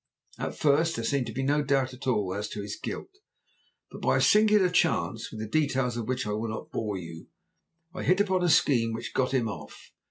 At first there seemed to be no doubt at all as to his guilt, but by a singular chance, with the details of which I will not bore you, I hit upon a scheme which got him off.